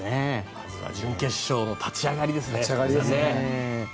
まずは準決勝の立ち上がりですね。